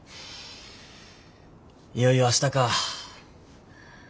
いよいよ明日か。